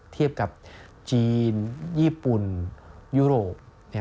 เทียบกับจีนญี่ปุ่นยุโรป